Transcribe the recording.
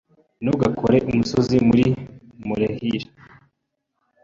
Ntugakore umusozi muri molehill.